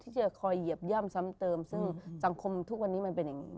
ที่จะคอยเหยียบย่ำซ้ำเติมซึ่งสังคมทุกวันนี้มันเป็นอย่างนี้